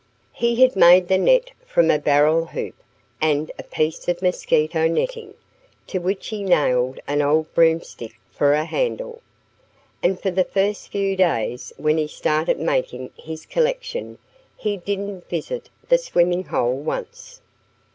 He had made the net from a barrel hoop and a piece of mosquito netting, to which he nailed an old broomstick for a handle. And for the first few days when he started making his new collection he didn't visit the swimming hole once.